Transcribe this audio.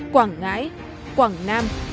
quảng ngãi quảng nam